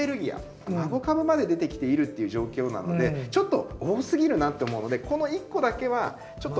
孫株まで出てきているっていう状況なのでちょっと多すぎるなって思うのでこの１個だけは。